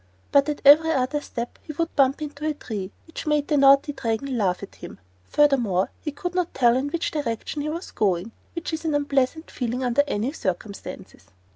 But at every other step he would bump into a tree, which made the naughty Dragon laugh at him. Furthermore, he could not tell in which direction he was going, which is an unpleasant feeling under any circumstances.